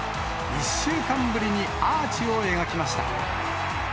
１週間ぶりにアーチを描きました。